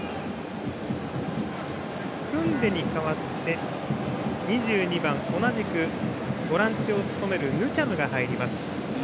クンデに代わって２２番、同じくボランチを務めるヌチャムが入ります。